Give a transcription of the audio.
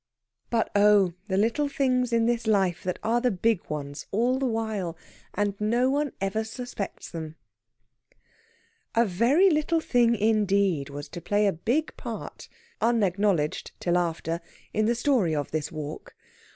But oh, the little things in this life that are the big ones all the while, and no one ever suspects them! A very little thing indeed was to play a big part, unacknowledged till after, in the story of this walk.